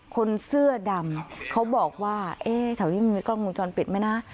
คนเสื้อดำเขาบอกว่าเอ๊ะแถวนี้มีกล้องวงจรปิดไหมนะ